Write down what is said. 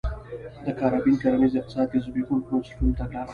د کارابین کرنیز اقتصاد کې د زبېښونکو بنسټونو تګلاره